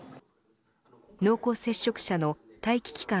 濃厚接触者の待機期間